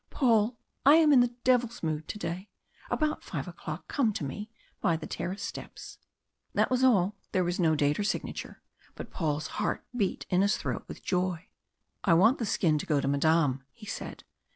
"Paul I am in the devil's mood to day. About 5 o'clock come to me by the terrace steps." That was all there was no date or signature. But Paul's heart beat in his throat with joy. "I want the skin to go to Madame," he said.